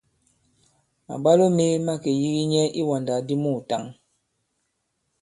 Màbwalo mē ma ke yīgi nyɛ i iwàndak di muùtǎŋ.